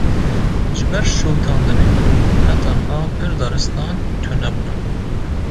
Ji ber şewitandinê, heta niha pir daristan tune bûne